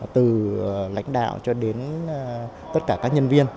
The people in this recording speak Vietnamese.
từ lãnh đạo cho đến tất cả các nhân viên